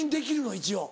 一応。